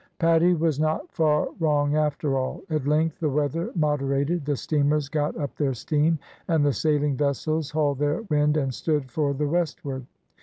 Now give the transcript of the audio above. Paddy was not far wrong after all. At length the weather moderated, the steamers got up their steam and the sailing vessels hauled their wind and stood for the westward.